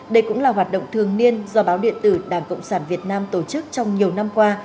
đây cũng là hoạt động thường niên do báo điện tử đảng cộng sản việt nam tổ chức trong nhiều năm qua